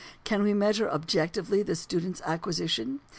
Can we measure objectively the student's acquisition?